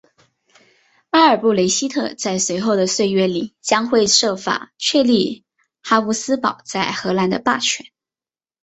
阿尔布雷希特在随后的岁月里将会设法确立哈布斯堡在荷兰的霸权。